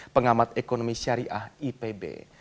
pengamat ekonomi syariah ipb